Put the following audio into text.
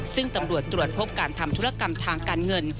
ซึ่งตำรวจตรวจพบการทำธุรกรรมทางการเงิน